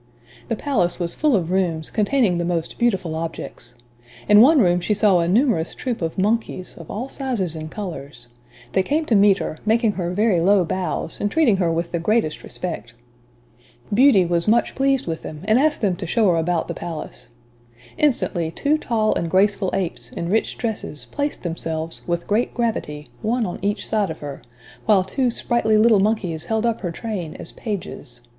The palace was full of rooms, containing the most beautiful objects. In one room she saw a numerous troupe of monkeys, of all sizes and colors. They came to meet her, making her very low bows, and treating her with the greatest respect. Beauty was much pleased with them, and asked them to show her about the palace. Instantly, two tall and graceful apes, in rich dresses, placed themselves, with great gravity, one on each side of her, while two sprightly little monkeys held up her train as pages.